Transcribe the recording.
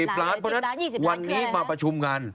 เพราะฉะนั้นวันนี้มาประชุมกัน